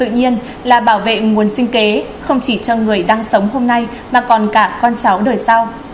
tự nhiên là bảo vệ nguồn sinh kế không chỉ cho người đang sống hôm nay mà còn cả con cháu đời sau